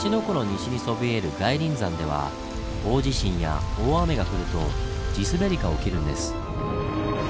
湖の西にそびえる外輪山では大地震や大雨が降ると地滑りが起きるんです。